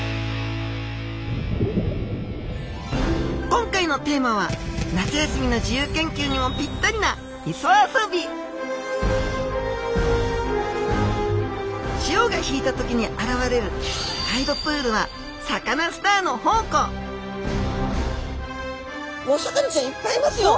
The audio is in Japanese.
今回のテーマは夏休みの自由研究にもピッタリな潮が引いた時に現れるタイドプールはサカナスターの宝庫お魚ちゃんいっぱいいますよ！